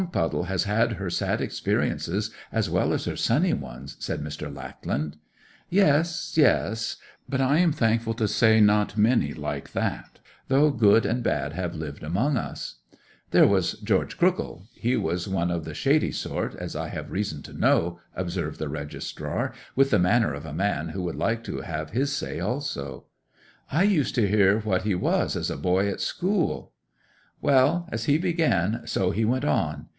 'Longpuddle has had her sad experiences as well as her sunny ones,' said Mr. Lackland. 'Yes, yes. But I am thankful to say not many like that, though good and bad have lived among us.' 'There was Georgy Crookhill—he was one of the shady sort, as I have reason to know,' observed the registrar, with the manner of a man who would like to have his say also. 'I used to hear what he was as a boy at school.' 'Well, as he began so he went on.